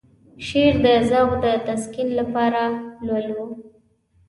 شعر د ذوق د تسکين لپاره لولو.